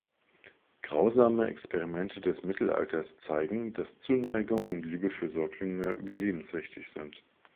Grausame Experimente des Mittelalters zeigen, dass Zuneigung und Liebe für Säuglinge überlebenswichtig sind.